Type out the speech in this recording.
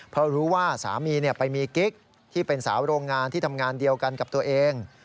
เพราะรู้ว่าสามีไปมีกิ๊กที่เป็นสาวโรงงานที่ทำงานเดียวกันกับตัวเอง